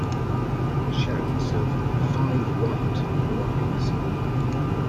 Shouts of 'five white!' arise.